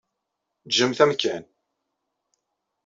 Ǧǧemt amkan.